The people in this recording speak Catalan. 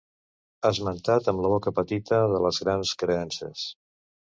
Esmentat amb la boca petita de les grans creences.